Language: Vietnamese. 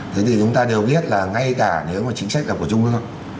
thế thì chúng ta đều biết là ngay cả nếu mà chính sách là của trung quốc